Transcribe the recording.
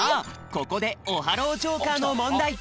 ここでオハロージョーカーのもんだい！